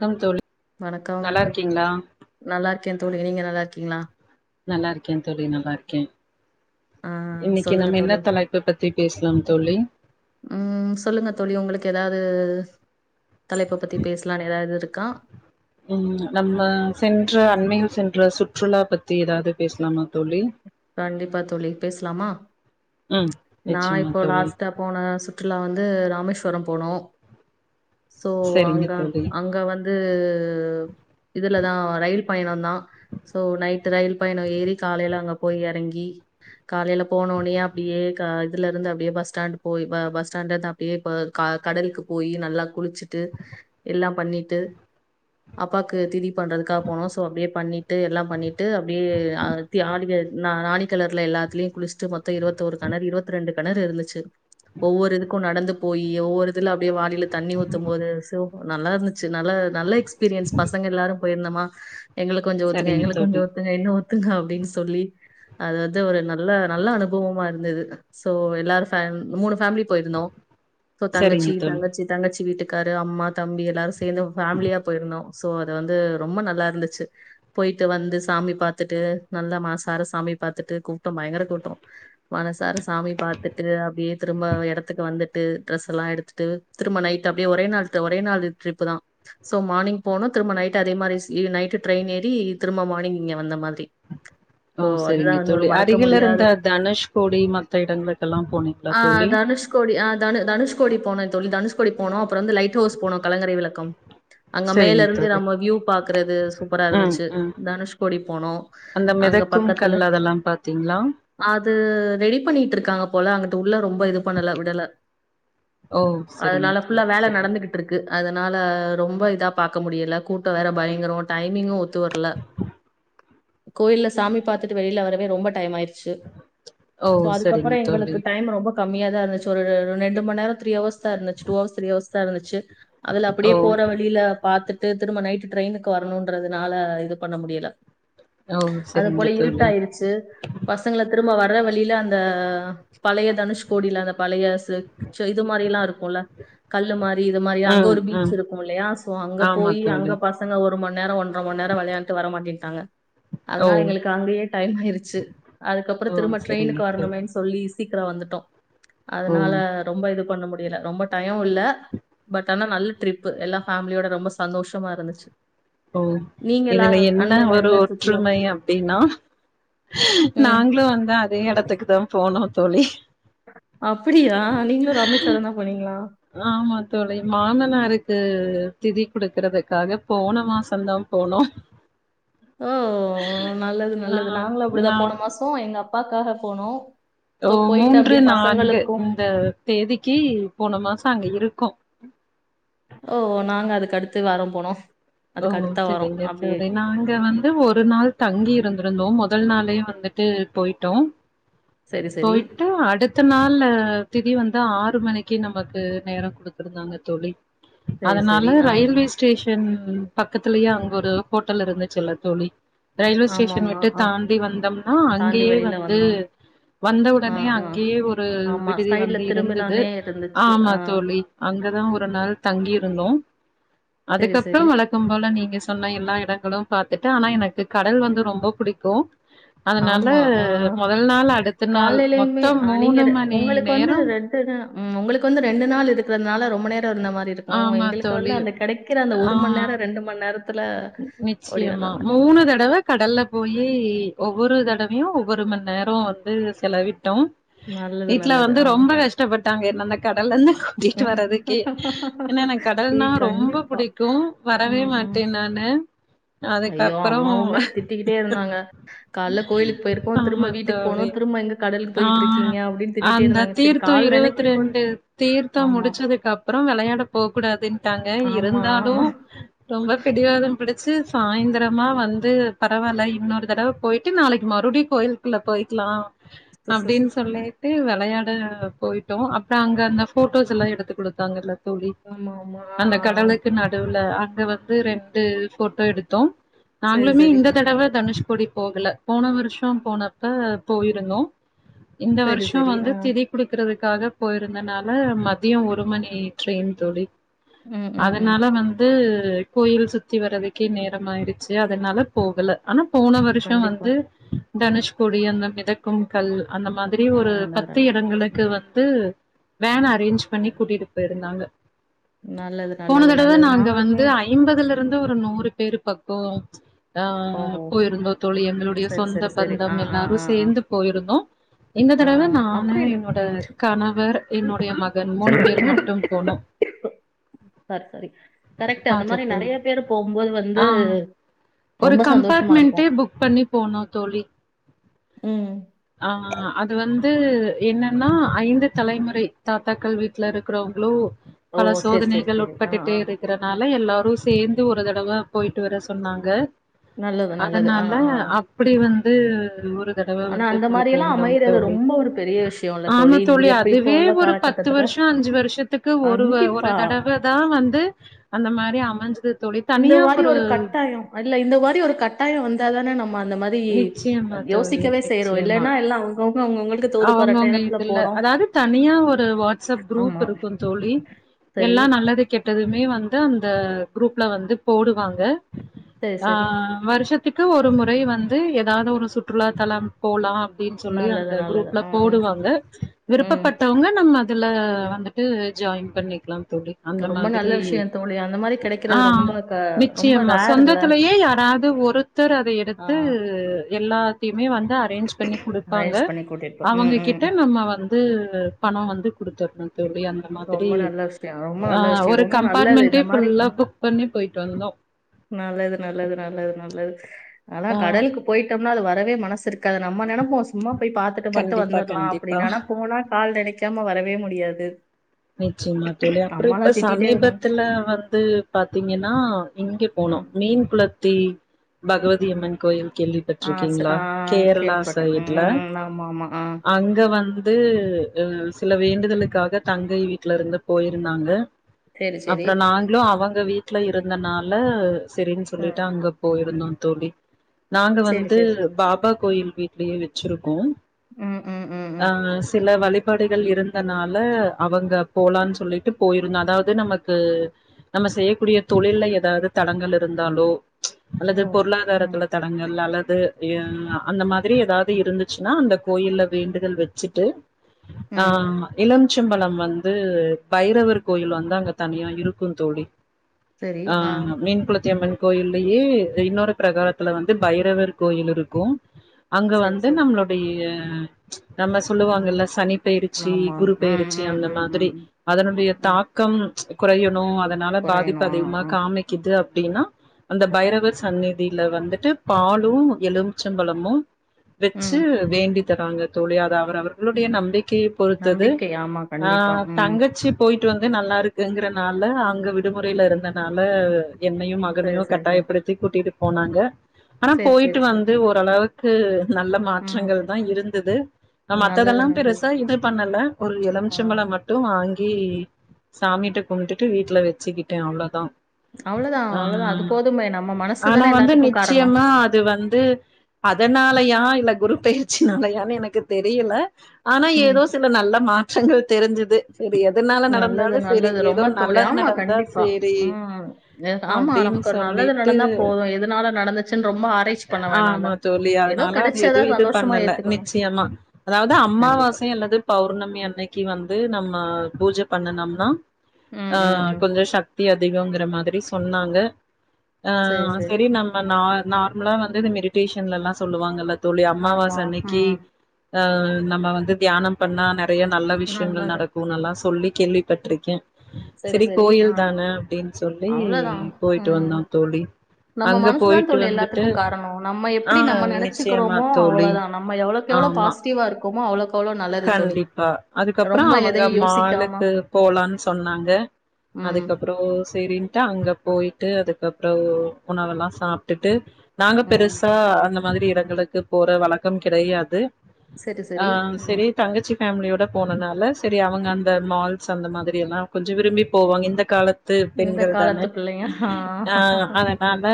Come தோழி வணக்கம் நல்லா இருக்கீங்களா நல்லா இருக்கே தோழி நீங்க நல்லாருக்கீங்களா நல்லா இருக்கே தோழி நல்லாருக்கே ஆ இன்னிக்கு சொல்லுங்க நம்ப என்னா தோழி தலைப்பு பத்தி பேஸ்லாம் தோழி ம் தலைப்பு பத்தி பேஸ்லான்னு எதாது இருக் கா உம் நம்ப சென்ற அண்மையில் சென்ற சுற்றுலா பத்தி எதாது பேசலாமா தோழி கண்டிப்பா தோழி பேஸ்லாமா ம் நா நிச்சயமா இப்போ தோழி லாஸ்ட்டா போன சுற்றுலா வந்து ராமேஸ் வரம் போனோ சோ சரிங்க அங்க தோழி அங்க வந் உம் இதுலதா ரயில் பயணோதா சோ நைட் ட்டு ரயில் பயணோ ஏறி காலைல அங்க போய் எறங்கி காலைல போனோனயே அப்டியே கா அதுல இருந்து அப்டியே பஸ் ஸ்டாண்டு போயி பஸ் ஸ்டாண்ட்ல இருந்து அப்டியே இப க கடலுக்கு போயி நல்லா குளிச்சிட்டு எல்லா பண்ணிட்டு அப்பாக்கு திதி பண்றதுக்காக போனோ சோ அப்டியே பண்ணிட்டு எல்லா பண்ணிட்டு அப்படியே ஆடி நா நானிகெலருல எல்லாத்துலயு குளிச்சுட்டு மொத்தோ இருவத்தொரு கெணரு இருவத் ரெண்டு கெணறு இருந்துச்சு ஒவ்வொரு இதுக்கு நடந்து போயி ஒவ்வொரு இதுல அப்டியே வாளில தண்ணி ஊத்தும் போது சோப் நல்லா இருந்துச்சு நல்லா நல்ல எக்ஸ் எக்ஸ்பீரியன்ஸ் பசங்க எல்லாரு போயிருந்தமா எங்ளுக்கு கொஞ்ஜோ ஊத்துங்க சரிங்க எங்ளுக்கு கொஞ்ஜோ தோழி ஊத்துங்க இன்னோ ஊத்துங்க அப்டின்னு சொல்லி அது வந்து ஒரு நல்ல நல்ல அனுபவமா இருந்தது சோ எல்லாரு சம் மூனு ஃபேமிலி போயிருந்தோ சோ சரிங்க தங்கச்சி தோழி தங்கச்சி தங்கச்சி வீட்டுக் காரு அம்மா தம்பி எல்லாரு சேந்து ஃபேமிலியா பொயிருந்தோ சோ அது வந்து ரொம்ப நல்லா இருந்துச்சு பொயிட்டு வந்து சாமி பாத்துட்டு நல்லா மனசார சாமி பாத்துட்டு கூட்டோ பயங்கர கூட்டோ மனசார சாமி பாத்துட்டு அப்டியே திரும்ப எடத்துக்கு வந்துட்டு ட்ரெஸ் எல்லா எடுத்துட்டு திரும்ப நைட்டு அப்டியே ஒரே நாள் ஒரே நாள் ட்ரிப்பு தா சோ மார்னிங் போனோ திரும்ப நைட்டு அதே மாரி நைட்டு ட்ரெயின் ஏறி திரும்ப மார்னிங் இங்க வந்த மாரி ஓ சரிங்க தோழி அருகில இருந்த தனுஷ்கோடி மத்த எடங்களுக்கெல்லா போனீங்களா ஆ தோழி தனுஷ்கோடி ஆ தனு தனுஷ்கோடி போனோ தோழி தனுஷ்கோடி போனோம் அப்புறம் வந்து லைட் ஹவுஸ் போன கலங்கரை விளக்கம் அங்க மேல சரிங்க இருந்து தோழி நம்ம வியூ பாக்குறது சூப்பரா ம் இருந்துச்சு ம் தனுஷ்கோடி போனோம் அங்க பக்கத்துல கும்கல் அதெல்லாம் பாத்தீங்களா அது ரெடி பண்ணிட்டு இருக்காங்க போல அங்க ரொம்ப இது பண்ணல விடல ஓ சரிங்க அதனால புல்லா தோழி வேலை சரிங்க நடந்துகிட்டு இருக்கு அதனால ரொம்ப இதா பாக்க முடியல கூட்ட வேற பயங்கரம் டைமிங்கும் ஒத்து வரல கோயில சாமி வெளில வரவே ரொம்படைம் ஆயிருச்சு சு ஓ சோ சரிங்க அதுக்கப்புறம் தோழி எங்களுக்கு டைம் ரொம்ப கம்மியா தான் இருந்துச்சி ஒரு ரெண்டு மணி நேர த்ரீஹவர்ஸ் தான் இருந்துச்சு டூஹவர்ஸ் த்ரீ ஹவர்ஸ் தான் இருந்துச்சு அதுல ஓ அப்டியே போற வழில பாத்துட்டு திரும்ப நைட் ட்ரெயினுக்கு வரணுன்றதுனால இது பண்ண முடியலை ஓ! சரிங்க தோழி இருட்டாயிருச்சு பசங்கள திரும்ப நம் வர்ற வழியில அந்த பழைய தனுஷ்கோடியில அந்த பழைய இது மாரி எல்லாம் இருக்குல்ல கல்லு மாரி இது மாரி அங்க ம் ஒரு பீச் ம் இருக்கும் இல்லையா சோ அங்க ஆமா போய் அங்க தோழி பசங்க ஒரு ஒரு மணி நேரம் ஒன்ற மணி நேரம் விளையாண்டுட்டு வர மாட்டேன்டாங்க ஓ அதனால எங்களுக்கு அங்கயே டைம் ஆயிரூச்சு அதுக்கப்புறம் ஓ திரும்ப சரிங்க ட்ரெயினுக்கு தோழி வரணுமேனு சொல்லி சி இல்ல வந்துட்டோம் ஓ அதனால ரொம்ப இது பண்ண முடியல ரொம்ப டையோம் இல்ல பட் ஆனா நல்ல ட்ரிப் எல்லா ஃபேமிலியோட ரொம்ப சந்தோஷமா இருந்துச்சு ஓ நீங்க எல்லா இதுல என்ன அண்மையில ஒரு எந்த சுற்றுலா ஒற்றுமை அப்படின் நா ம் நாங்களும் வந்து அதே எடத்துக்கு தான் போனோம் தோழி அப்படியா நீங்களும் ராமேஸ்வரம் தான் போனீங்களா ஆமா தோழி மாமனாருக்கு திதி குடுக்கறதுக்காக போன மாசம்தான் போனோம் ஓ நல்லது நல்லது நாங்களும் நா அப்படிதான் போன மாசம் எங்க அப்ப பாக்காக போனோம் ஓ சோ போயிட்டு மூன்று அப்படியே நான்கு பசங்களுக்கும் இந்த தேதிக்கு போன மாசம் அங்க இருக் கோம் ஓ நாங்க அதுக்கடுத்து வாரம் போனோம் ஓ அதுக்கு அடுத்த வாரம் சரிங்க அப்படியே சரி நாங்க வந்து ஒரு நாள் தங்கி இருந்திருந்தோம் மொதல் நாள் உடனே வந்துட்டு போய்ட்டோ சரி சரி போயிட்டு அடுத்த நாள்ல திதி வந் ந்து ஆறு மணிக்கு நமக்கு நேர குடுத்துருந்தாங்க தோழி சரி அதனால சரி ஆ ரயில்வே ஸ்டேஷன் [unintelligible] பக்கத்துலயே அங்க ஒரு ஹோட்டல் இருந்துச்சு இல்ல தோழி ரயில்வே ஆமா ஸ்டேஷன் ஆமா விட்டு ஆ தாண்டி வந்தோம்னா தாண்டி அங்கேயே வெளியில வந்து வந்தோம் ஆ வந்தவுடனே ஆ அங்கயே ஒரு ஆமா விடுதி சைடுல வந்து இருந்துது திரும்பினோனே இருந்துச்சு ஆமா ஆ தோழி அங்கதா ஒரு நாள் தங்கி இருந்தோ சரி, அதுக்கப்பற சரி. வளத் ம நீங்க சொன்ன எல்லா இடங்களு பாத்துட்ட ஆனா எனக்கு கடல் வந்து ரொம்ப பிடிக்கு அதனால ஆமா. ஆ மொதல் நாள் அடுத்த நாள் காலையிலயுமே மொத்தம் அ மூணு மணி நேரம் உம் உங்களுக்கு வந்து ரெண்டு நாள் இருக்கறதுனால ரொம்ப நேர ட்ட இருந்த மாரி இருக்கு ஆமா எங்களுக்கு வந்து தோழி. அந்த கெடைக்கிற அந்த ஆ ஒரு மணி நேர ரெண்டு மணி நேர நிச்சயமா மூணு தடவ க கடல்ல போயி ஒவ்வொரு தடவையு ஒவ்வொரு மணி நேர வந்து செலவிட்டோ நல்லது, வீட்ல நல்லது. வந்து ஆ. ரொம்ப கஷ்டப்பட் டாங்க என்ன என்ன கடலருந்து வீட்டு ம். வரதுக்கே ஏன்னா எனக்கு கடல்ன்னா ஏய் ரொம்ப கண்டிப்பா. புடிக்கு வரவே ம், மாட் ஐயோ அம்மாவுமே திட்டிக்கிட்டே இருந்தாங்க கால்ல கோயிலுக்கு போயிருக்கோ திரும்ப ஆமா வீட்டுக்கு போணு தோழி. திரும்ப எங்க க ஆ ஆ அந்த சரி தீர்த்த கால் இருவத்தி நனைக்க கூட ரெண்டு தீர்த் தம் ஆமா, முடிச்சதுக்கப்பற வெளயாட போக்கூடாதுன்ட்டாங்க ஆமா. இருந்தாலு ரொம்ப பிடிவாத பிடிச்சு சாய்ந்தரமா வந்து பரவால்ல இன்னொரு தடவ போயிட்டு நாளைக்கு மறுப்படி கோயிலுக்குள்ள போயிக்கலா அப்டின்னு சொல்லிட்டு வெள வெளையாட போயிட்டோ அப்றோ அங்க அந்த ஃபோட்டோஸ்ஸெல்லா எடுத்துக்குடுத்தாங்கல்ல தோழி ஆமாமா. ஆ, அந்த ஆ. கடலுக்கு நடுவுல அங்க வந்து ரெண்டு ஃபோட்டோ எடுத்தோ சரி நாங்களுமே சரி இந்த தடவ தனுஷ் கோடி போகல போன வருஷோ போனப்ப போயிருந்தோ இந்த சரி வருஷோ சரி வந்து ஆ திதி குடுக்கறதுக்கு க்காக போயிருந்தனால மதியோ ஒரு மணி ட்ரெயின் தோழி ம் ம் ம் அதனால வந்து கோயில் சுத்தி வர்றதுக்கே நேரமாயிடுச்சு அதனால போகல ஆனாப் போன வருஷோ கண்டிப்பா வந்து தனுஷ்கோடி அந்த மிதக்கும் கல்லு அந்த மாதிரி ஆ ஒரு பத்து நல்லது இடங்களுக்கு வந்து து வேன் அரேஞ்ச் பண்ணி கூட்டிட்டு போயிருந்தாங்க நல்லது போன நல்லது தடவ நல்லது நாங்க நாங்களுமே வந்து ஐம்பதுல இருந்து ஒரு நூறு பேரு பக்கோம் ஓ ஆஹ் போயிருந்தோம் தோழி எங்களுடைய சரி சொந்த சரி சரி பந்தம் ஆ ஆ ஆ எல்லாரும் ஆ சேர்ந்து போயிருந்தோம் இந்த ஆ தடவ நானு அப்படின்னு என்னோட அக்கா எலாம் என்னுடைய மகன் மூணு பேர் மட்டும் போனோம் சரி சரி கரெக்ட் அந்த மாதிரி நெறைய தோழி பேரு போகும் போது வந்து ஆ ஒரு ரொம்ப சந்தோஷமா இருக்கும் கம்பார்ட்மெண்ட்டே புக் பண்ணி உம் ஆஹ் அது வந்து வந்து என்னன்னா ஐந்து தலைமுறை தாத்தாக்கள் வீட்டுல இருக்கிறவங்களோ ஓ பல சரி சரி சோதனைகள் சரி ஆ உட்பட்டுட்டே ஆ இருக்கிறனால எல்லாரும் சேர்ந்து ஒரு தடவை போயிட்டு வர சொன்னாங்க நல்லது நல்லது ஆ அதனால ஆ ஆ. அப்பிடி வந்து இது ஒரு தடவை ஆனா வந்து அந்த மாரி போயிட்டு எல்லாம் வந்தோம் அமையறது தோழி ரொம்ப ஒரு பெரிய விஷயம்ல்ல ஆமா இந்த தோழி இப்ப இப்போ அதுவே உள்ள ஒரு பத்து காலகட்டத்துல வருஷம் அஞ்சு வருஷத்துக்கு ஒருவ ஒரு கண்டிப்பா தடவ தான் வந்து அந்த மாதிரி அமைஞ்சது தோழி. இந்த தனியா மாதிரி ஒரு கட்டாய இல்ல இந்த மாதிரி ஒரு கட்டாயம் வந்தா தானே நம்ம அந்த மாரி நிச்சயமா யோசிக்கவே செய்யறோம் இல்லைன்னா எல்லாம் அவங்கவுங்க அவங்கவுங்களுக்கு தோது பாராட்ட அவங்கவுங்க எடத்துல இதுல போறோ அதாவது தனியா ஒரு வாட்ஸ்அப் குரூப் ஆமா இருக்கும் தோழி சரி எல்லாம் நல்லது கெட்டதுமே வந்து அந்த குரூப்ல வந்து போடுவாங்க சரி சரி ஆஹ் வருஷத் த்துக்கு ஒரு முறை வந்து ஏதாவது ஒரு சுற்றுலா தலம் போலாம் அப்படின்னு சொல்லி நல்லது அந்த நல்லது குரூப்ல ம் ம் போடுவாங்க ம் விருப்பப்பட்டவங்க நம்ம இதுல வந்துட்டு ஜாயின் பண்ணிக்கலாம் தோழி அந்த ரொம்ப நல்ல மாதிரி விஷயோ தோழி அந்த மாரி கெடைக்கிறது ஆஹ் ரொம்ப க ரொம்ப நிச்சயமா ரேர்ல சொந்தத்திலயே யாராவது ஒருத்தர் அதை ஆ எடுத்து எல்லாத்தையுமே அரேஞ்ச் பண்ணி கொடுப்பாங்க அரேஞ்ச் பண்ணி கூட்டிட்டு போ அவங்க ம் ம் கிட்ட நம்ம வந்து பணம் வந்து குடுத்துர்ர தோழி அந்த மாதிரி ரொம்ப நல்ல விஷயோ ரொம்ப நல்ல ஆஹ் விஷயோ ஒரு ரொம்ப நல்லது கம்பார்ட்மெண்டே இந்த மாரி ப ஃபுல்லா புக் பண்ணி போயிட்டு வந்தோம் நல்லது நல்லது நல்லது நல்லது ஆனா கடலுக்கு போயிட்டோம்னா அது வரவே மனசுருக் காது நம்ம நெனைப்போம் சும்மா போய் பாத்தட்டு மட்டும் கண்டிப்பா வந்துடலாம் கண்டிப்பா அப்டின் ஆனா போனால் கால் நினை க்காம வரவே முடியாது நிச்சயமா தோழி அப்புறம் இப்ப அம்மாலாம் திட்டிட்டே இருந்தாங்க. சமீபத்துல வந்து பாத்தீங்கன்னா இங்க அ, போனும் மீன் குள்ள த்தி பகவதிய அம்மன் கோயில் ஆ, ச கேள்விப்பட்றிருக்கீங்களா ஆ கேரளா கேள்விப்பட்டேன். ம், சைடல ம். ஆமாமா. ஆ. அங்க வந்து து சில வேண்டுதலுக்காக தங்கை வீட்ல இருந்து போயிருந்தாங்க சரி, சரி. அப்புறம் நாங்களும் அவங்க அங்க வீட்டுல இருந்தநாள செரின்னு ம். சொல்லிட்டு அங்க போயும் தோ தோழி நாங்க சரி, வந்து சரி. பாபா கோயில் வீட்லயே வச்சிருக்கோம் ம், ம், ம், ம். ஆஹ் சில வழி படைகள் இருந்தனால அவங்க போலான்னு சொல்லிட்டு போயிருந்தோ அதாவது நமக்கு நம்ம செய்யக்கூடிய தொழில்ல ஏதாவது தடங்கள் இருந்தாலோ அல்லது ஓ! ம், பொருளாதாரத்துல தடங்கள் அல்லது து அ அந்த மாதிரி எதாவது இருந்துச்சுன்னா அந்த கோயில்ல வேண்டுதல் வெச்சுட்டு ம். ஆஹ் இல்லங் திருச்சம்பழம் வந்து பைரவர் கோயில் வந்து அங்க தனியா இருக்கும் தோழி சரி. ஆ. ஆஹ் மீன் குளத்தி அம்மன் கோயில்லயே இன்னொரு பிரகாரத்துல வந்து பைரவர் கோயில் இருக்கும் அங்க சரி, வந்து சரி. நம்மளுடைய ப்ச் நம்ம சொல்லுவாங்கல்ல சனி பெயருச்சி ஆமா. குரு ம், பெயருச்சி ச்சி ம், அந்த ம், ம், மாதிரி ம். அதனுடைய ம். தாக்கம் ப்ச் குறையணு அதனால பாதிப்பு குறையணும். ஆ, அதிகமா ஆ. காமிக்குது அப் அப்டின்னா அந்த பைரவ சந்நிதியில வந்துட்டு பாலும் எலுமிச்சம்பழமும் வெச்சு ம். வேண்டி க்காங்க தோழி அது அவர் அவர்களுடைய நம்பிக் கிய பொறுத்தது நம்பிக்கை. ஆமா, கண்டிப்பா. ஆஹ் ம். தங்கச்சி இப்போ போயிட்டு வந்து நல்லா இருக்குங்கறனால அங்க விடுமுறையில இருந்தனால என்னையும் சரி, மகனையும் சரி, சரி. கட்டாயப்படுத்தி கூட்டிட்டு போனாங்க ஆனா சரி, போயிட்டு சரி, சரி. வந்து ஓரளவுக் உ நல்ல ம். மாற்றங்கள் தான் இருந்துது நா நல்லது, மத்ததெல்லாம் நல்லது. பெருசா இது பண்ணல ஒரு இளம் ஆ அச்சம்பளம் மட்டும் வாங்கி சாமிட்ட கும்டுட்டு வீட்டுல வெச்சுக்கிட்டேன் அவ்வளோதா அவ்வளோதான், அவ்வளோதான். அது அஹ் போதுமே. நம்ம மனசு ஆனா தானே வந்து எல்லாத்துக்கும் காரணம். நிச்சயமா அது வந்து அதனா லையா இல்ல குருப்பெயர்ச்சினாலயான்னு எனக்கு தெரிய ஆனா ம். ஏதோ சில நல்ல மாற் றங்கள் தெரிஞ்சுது செரி எதனால நல்லது, நடந்தாலு செரி நல்லது. ஏதோ ரொம்ப தோழி. நல்லது ஆமா, நடந்தா கண்டிப்பா. சேரி ம். எ ஆமா, அப்டின்னு நமக்கு ஒரு நல்லது சொல்லிட்டு நடந்தா போதும். எதனால நடந்துச்சுன்னு ரொம்ப ஆராய்ச்சி பண்ண ஆமா வேணாம்ல. தோழி ஏதோ அதனால அது கிடைச்சத எதுவு இது சந்தோஷமா பண்ணல ஏத்துக்கணும். நிச்சயமா அதாவது கண்டிப்பா. அமாவாசை அல்லது பௌர்ணமி அன்னைக்கு வந்து து நம்ம பூஜை பண்ணுனம்னா ம், ம், ஆஹ் ம். கொஞ்சோ சக்தி அதி அதிகோங்கிற மாதிரி சொன்னாங்க சரி, ஆஹ் சரி. செரி நம்ப நா நான் நா வந்தது மெடிடேஷன்ல எல்லா சொல்லுவாங்கல்ல தோழி அம்மாவாச ஆமா. அன்னிக்கு ம். ஆஹ் நம்ம வந்து தியானம் பண்ணா ந நெறைய நல்ல விஷயங்கள் நல்லது. நடக்கும்னல்லாம் சொல்லி கேள்விப்பட்ருக்கேன் சரி, செரி சரி. ஆ. கோயில் தான அப்டின்னு சொல்லி அவ்வளோதான். போயிட்டு ம். வந்தோம் தோழி நம்ம அங்க மனசுதான் போயிட்டு தோழி வந்து எல்லாத்துக்கும் காரணம் நம்ம எப்டி நம்ம நெனைச்சக்கிறோமோ தோழி. அவ்வளோதான் நம்ம எவ்வளவுகெவ்வளோ ஆமா பாசிட்டிவா இருக் கொவமா அவளுக் கண்டிப்பா அதுக்கப்பறம் அவங்க எதையும் யோசிக்காம மாளுக்கு போலான்னு சொன்னாங்க ம், அதுக்கப்புறம் செரின் அங்க போயிட்டு அதுக்கப்புறம் உணவெல்லாம் சாப்டுட்டு நாங்க ம். பெருசா அந்தம் மாதிரி இடங்களுக்கு போற வழக்கம் கிடையாது செரி செரி உம் செரி தங்கச்சி ஃபேமிலியோட போனனால சரி அவங்க அந்த மால்ஸ் அந்த மாதிரி எல்லாம் கொஞ்ச விரும்பி போவாங்க இந்த கால இந்த பெண்கள் தானே காலத்து பிள்ளைங்க. ஆ. ஆஹ் அதனால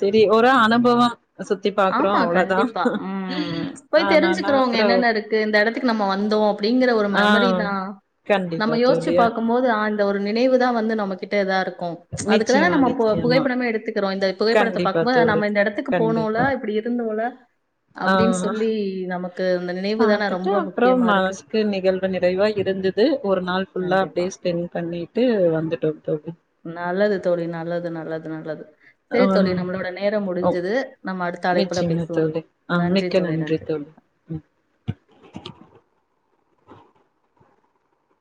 செரி ஒரு அனுபவம் சுத்தி ஆமா பாக்குறோம் அவ்ளோதான். கண்டிப்பா ம்ம் போய் அதனால தெரிஞ்சுக்றோம் இங்க அப்புறம் என்னென்ன இருக்கு இந்த இடத்துக் நம்ம வந்தோ அப்படிங்கிற ஒரு ஆ மெமரி தான் கண்டிப்பா நம்ம யோசிச்சு தோழி. பாக்கும்போது ஆ ஒரு நினைவு தான் வந்து நம்ம கிட்ட இதா இருக் அதுக்குதான நிச்சயமா, நம்ம ப்ப நிச்சயமா. புகைப்படமே எடுத்து இந்த புகைப்படத்த கண்டிப்பா பாக்கும்போ தோழி. நம்ம இந்த இடத்துக்கு போனோல இருந்தவங்ல ஆஹ் நினைவு தான பாத்துட்டு ரொம்ப முக்கியமா அப்பறம் இருக்கு மனசுக்கு நிகழ்வு நிறைவா இருந்தது ஒரு நாள் ஃபுல்லா கண்டிப்பா அப்படியே ஸ்பெண்ட் பண்ணிட்டு வந்துட்டோம் தோழி நல்லது தோழி நல்லது நல்லது நல்லது செரி ஆ. தோழி நம்மளோட நேரம் ஓ முடிஞ்சது நம்ம அடுத்த அழைப்புல நிச்சயமா பேசலாம் தோழி. ஆ நன்றி மிக்க தோழி நன்றி தோழி. ம்.